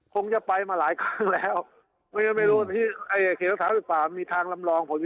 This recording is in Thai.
คงจะไปมาหลายครั้งแล้วแล้วไม่รู้ที่ไอุเขตะท้ายรึเปล่ามีทางลำลอง